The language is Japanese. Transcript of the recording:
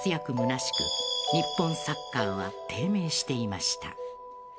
空しく日本サッカーは低迷していました。